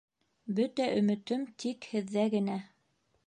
— Бөтә өмөтөм тик һеҙҙә генә.